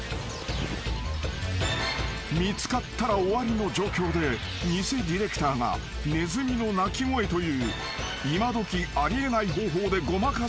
［見つかったら終わりの状況で偽ディレクターがネズミの鳴き声という今どきあり得ない方法でごまかそうとする］